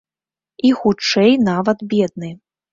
І хутчэй нават бедны.